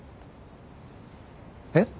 えっ？